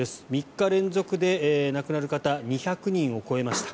３日連続で亡くなる方２００人を超えました。